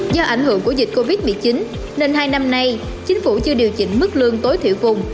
do ảnh hưởng của dịch covid một mươi chín nên hai năm nay chính phủ chưa điều chỉnh mức lương tối thiểu vùng